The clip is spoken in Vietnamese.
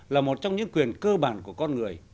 là một trong những quyền cơ bản của con người